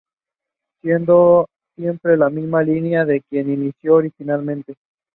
The town has historically relied largely on sheep, cattle and wheat farming.